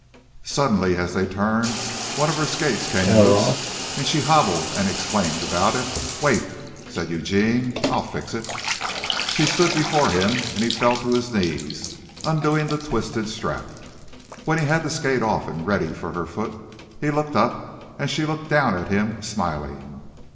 Suddenly, as they turned, one of her skates came loose and she hobbled and exclaimed about it. "Wait," said Eugene, "I'll fix it." She stood before him and he fell to his knees, undoing the twisted strap. When he had the skate off and ready for her foot he looked up, and she looked down on him, smiling.